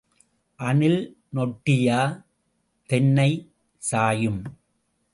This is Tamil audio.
அணில் நொட்டியா தென்னை சாயும்?